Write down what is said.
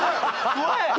怖い！